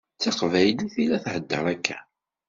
D taqbaylit i la theddeṛ akka?